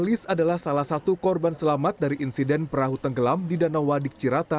alice adalah salah satu korban selamat dari insiden perahu tenggelam di danau wadik cirata